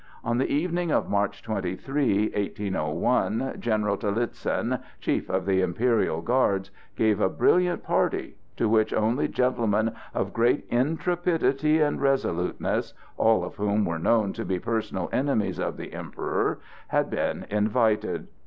On the evening of March 23, 1801, General Talizin, chief of the Imperial Guards, gave a brilliant party, to which only gentlemen of great intrepidity and resoluteness, all of whom were known to be personal enemies of the Emperor, had been invited.